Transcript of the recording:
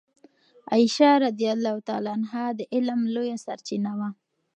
عائشه رضی الله عنها د علم لویه سرچینه وه.